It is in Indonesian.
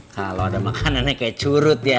kalau ada makanannya kayak curut ya